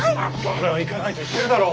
俺は行かないと言ってるだろ！